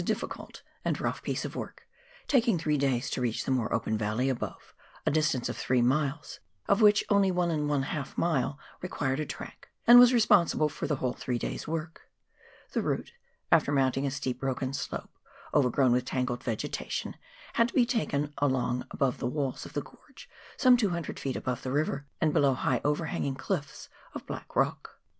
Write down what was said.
difficult and rough piece of work, taking three days to reach the more open valley above, a distance of three miles, of which only one and a half mile required a track, and was responsible for the whole three days' work. The route, after mounting a steep broken slope, overgrown with tangled vegetation, had to be taken along above the walls of the gorge, some 200 ft. above the river, and below high overhanging cliffs of black rock.